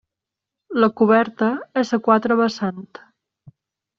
La coberta és a quatre vessant.